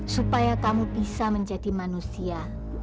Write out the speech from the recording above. supaya kamu bisa menjadi manusia